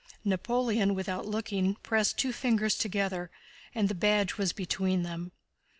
Napoleon, without looking, pressed two fingers together and the badge was between them.